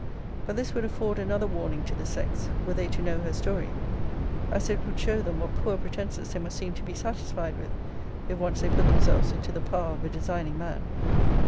But this would afford another warning to the sex, were they to know her story; 'as it would show them what poor pretences they must seem to be satisfied with, if once they put themselves into the power of a designing man.'